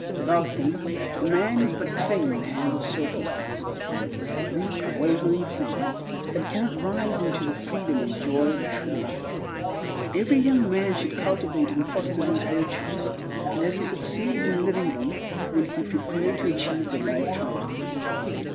Without them, a man is but clay in the hands of circumstances; a weak, wavering thing that cannot rise into the freedom and joy of a true life. Every young man should cultivate and foster these virtues, and as he succeeds in living them will he prepare to achieve the Life Triumphant.